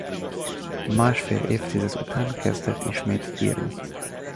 Másfél évtized után kezdett ismét írni.